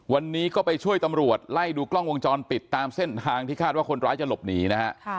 วันนี้ก็ไปช่วยตำรวจไล่ดูกล้องวงจรปิดตามเส้นทางที่คาดว่าคนร้ายจะหลบหนีนะฮะ